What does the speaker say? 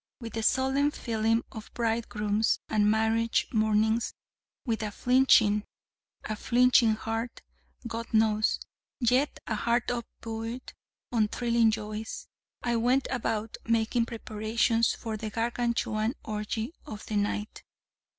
With the solemn feelings of bridegrooms and marriage mornings with a flinching, a flinching heart, God knows, yet a heart up buoyed on thrilling joys I went about making preparations for the Gargantuan orgy of the night.